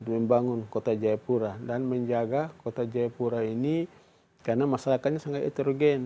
membangun kota jayapura dan menjaga kota jayapura ini karena masyarakatnya sangat heterogen